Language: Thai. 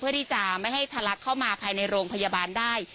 เพื่อที่จะไม่ให้ทะลักเข้ามาภายในโรงพยาบาลได้